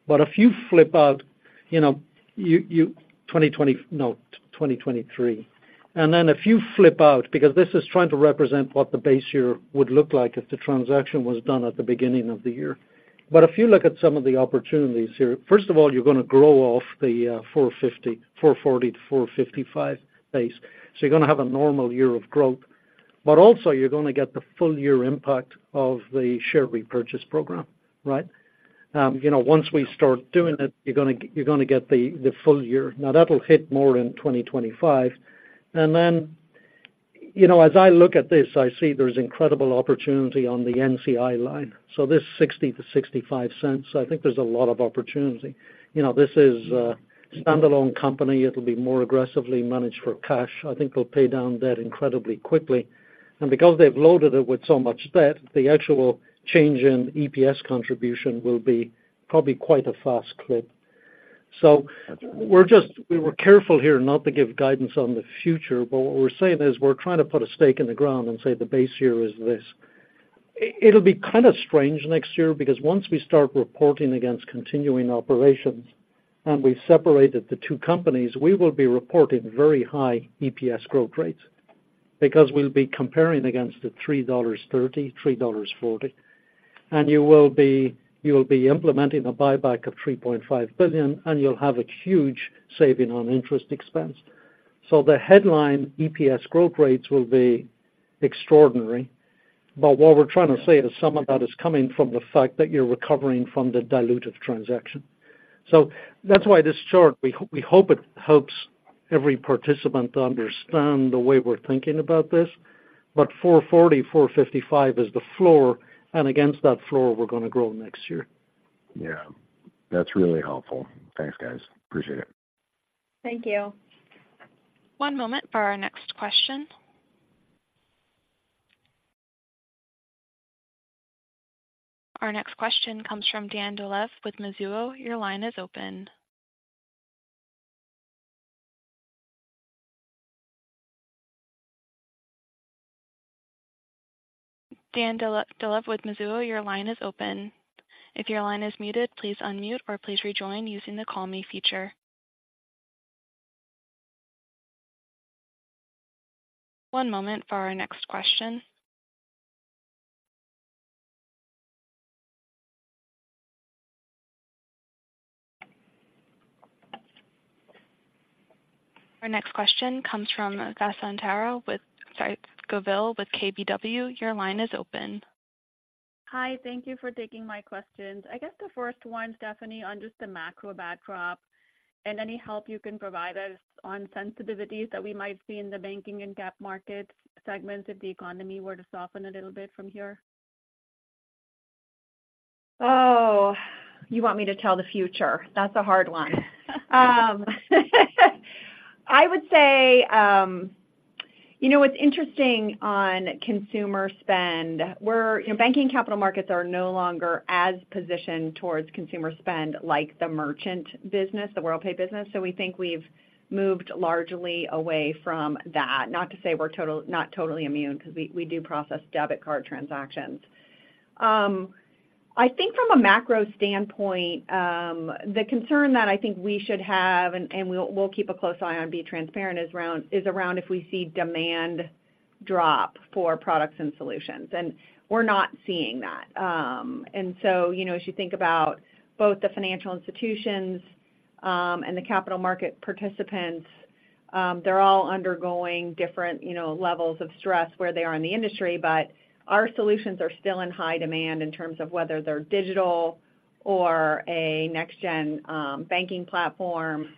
But if you flip out, you know, you, you 2023... No, 2023. And then if you flip out, because this is trying to represent what the base year would look like if the transaction was done at the beginning of the year. But if you look at some of the opportunities here, first of all, you're gonna grow off the $4.50, $4.40-$4.55 base. So you're gonna have a normal year of growth, but also you're gonna get the full year impact of the share repurchase program, right? You know, once we start doing it, you're gonna get the, the full year. Now, that'll hit more in 2025. And then, you know, as I look at this, I see there's incredible opportunity on the NCI line. So this $0.60-$0.65, I think there's a lot of opportunity. You know, this is a standalone company. It'll be more aggressively managed for cash. I think they'll pay down debt incredibly quickly. And because they've loaded it with so much debt, the actual change in EPS contribution will be probably quite a fast clip. So we're just- we're careful here not to give guidance on the future, but what we're saying is we're trying to put a stake in the ground and say the base year is this. It'll be kind of strange next year, because once we start reporting against continuing operations and we've separated the two companies, we will be reporting very high EPS growth rates because we'll be comparing against the $3.30, $3.40. And you will be, you'll be implementing a buyback of $3.5 billion, and you'll have a huge saving on interest expense. So the headline EPS growth rates will be extraordinary. But what we're trying to say is some of that is coming from the fact that you're recovering from the dilutive transaction. So that's why this chart, we hope it helps every participant to understand the way we're thinking about this. But $4.40, $4.55 is the floor, and against that floor, we're going to grow next year. Yeah, that's really helpful. Thanks, guys. Appreciate it. Thank you. One moment for our next question. Our next question comes from Dan Dolev with Mizuho. Your line is open. Dan Dolev with Mizuho, your line is open. If your line is muted, please unmute or please rejoin using the Call Me feature. One moment for our next question. Our next question comes from Vasu Govil with KBW. Your line is open. Hi, thank you for taking my questions. I guess the first one, Stephanie, on just the macro backdrop and any help you can provide us on sensitivities that we might see in the banking and cap market segments if the economy were to soften a little bit from here. Oh, you want me to tell the future? That's a hard one. I would say, you know what's interesting on consumer spend, you know, banking capital markets are no longer as positioned towards consumer spend like the merchant business, the Worldpay business. So we think we've moved largely away from that. Not to say we're not totally immune, because we do process debit card transactions. I think from a macro standpoint, the concern that I think we should have, and we'll keep a close eye on, be transparent, is around if we see demand drop for products and solutions, and we're not seeing that. And so, you know, as you think about both the financial institutions and the capital market participants, they're all undergoing different, you know, levels of stress where they are in the industry. But our solutions are still in high demand in terms of whether they're digital or a next-gen, banking platform,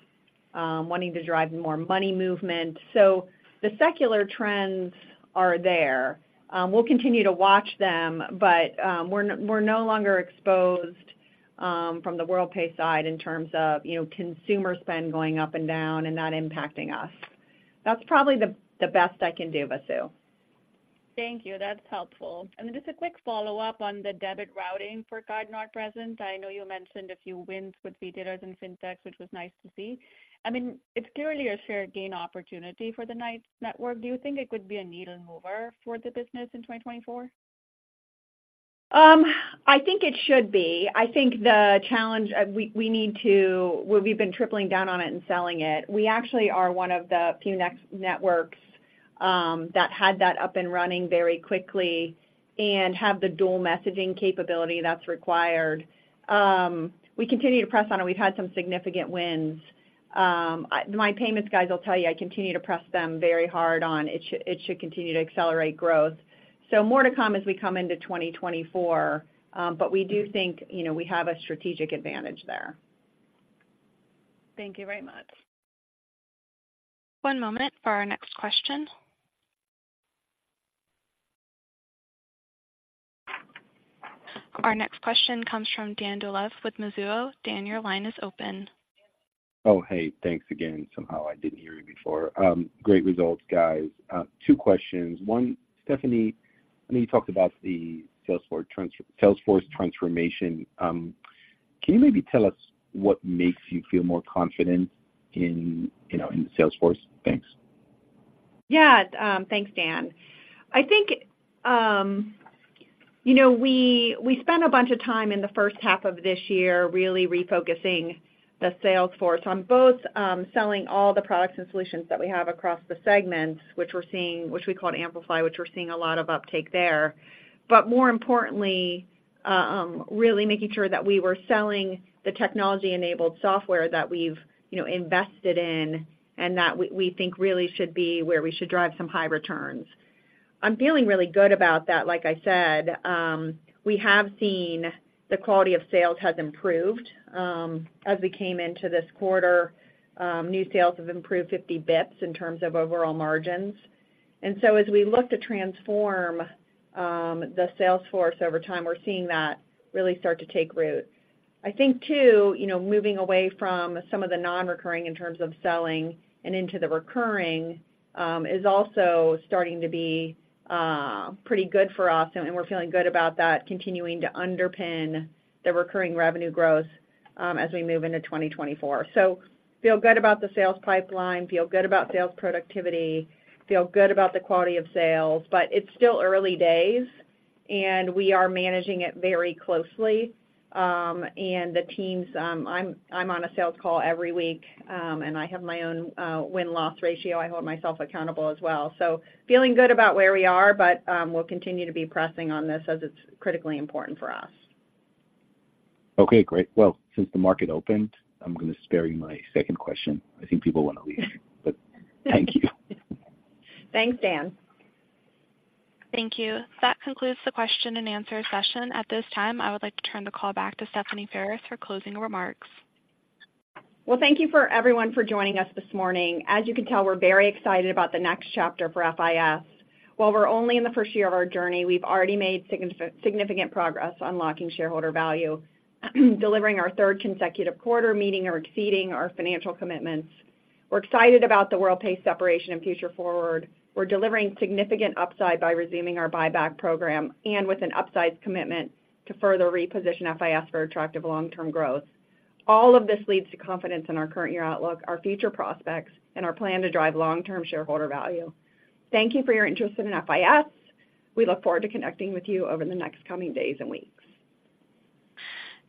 wanting to drive more money movement. So the secular trends are there. We'll continue to watch them, but, we're no longer exposed, from the Worldpay side in terms of, you know, consumer spend going up and down and that impacting us. That's probably the best I can do, Vasu. Thank you. That's helpful. Then just a quick follow-up on the debit routing for card-not-present. I know you mentioned a few wins with retailers and fintechs, which was nice to see. I mean, it's clearly a shared gain opportunity for the NYCE network. Do you think it could be a needle mover for the business in 2024? I think it should be. I think the challenge... Well, we've been tripling down on it and selling it. We actually are one of the few next networks that had that up and running very quickly and have the dual messaging capability that's required. We continue to press on, and we've had some significant wins. My payments guys will tell you I continue to press them very hard on it, it should continue to accelerate growth. So more to come as we come into 2024, but we do think, you know, we have a strategic advantage there. Thank you very much. One moment for our next question. Our next question comes from Dan Dolev with Mizuho. Dan, your line is open. Oh, hey, thanks again. Somehow I didn't hear you before. Great results, guys. Two questions. One, Stephanie, I know you talked about the sales force transformation. Can you maybe tell us what makes you feel more confident in, you know, in the sales force? Thanks. Yeah. Thanks, Dan. I think, you know, we, we spent a bunch of time in the first half of this year really refocusing the sales force on both, selling all the products and solutions that we have across the segments, which we're seeing, which we call Amplify, which we're seeing a lot of uptake there. But more importantly, really making sure that we were selling the technology-enabled software that we've, you know, invested in and that we, we think really should be where we should drive some high returns. I'm feeling really good about that. Like I said, we have seen the quality of sales has improved. As we came into this quarter, new sales have improved 50 basis points in terms of overall margins. As we look to transform the sales force over time, we're seeing that really start to take root. I think too, you know, moving away from some of the non-recurring in terms of selling and into the recurring is also starting to be pretty good for us, and we're feeling good about that continuing to underpin the recurring revenue growth as we move into 2024. Feel good about the sales pipeline, feel good about sales productivity, feel good about the quality of sales, but it's still early days, and we are managing it very closely. The teams, I'm on a sales call every week, and I have my own win-loss ratio. I hold myself accountable as well. Feeling good about where we are, but we'll continue to be pressing on this as it's critically important for us. Okay, great. Well, since the market opened, I'm going to spare you my second question. I think people want to leave, but thank you. Thanks, Dan. Thank you. That concludes the question and answer session. At this time, I would like to turn the call back to Stephanie Ferris for closing remarks. Well, thank you for everyone for joining us this morning. As you can tell, we're very excited about the next chapter for FIS. While we're only in the first year of our journey, we've already made significant progress unlocking shareholder value, delivering our third consecutive quarter, meeting or exceeding our financial commitments. We're excited about the Worldpay separation and Future Forward. We're delivering significant upside by resuming our buyback program and with an upside commitment to further reposition FIS for attractive long-term growth. All of this leads to confidence in our current year outlook, our future prospects, and our plan to drive long-term shareholder value. Thank you for your interest in FIS. We look forward to connecting with you over the next coming days and weeks.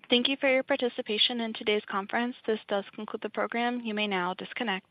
Thank you for your participation in today's conference. This does conclude the program. You may now disconnect.